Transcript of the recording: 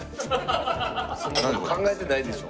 そんな事考えてないでしょ。